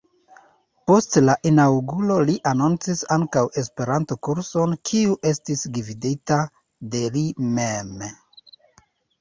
Post la inaŭguro li anoncis ankaŭ Esperanto-kurson, kiu estis gvidita de li mem.